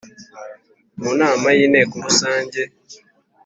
mu nama yinteko Rusange